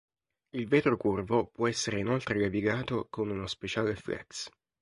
Il vetro curvo può essere inoltre levigato con uno speciale flex.